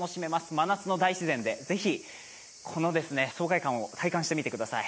真夏の大自然でぜひこの爽快感を体感してみてください。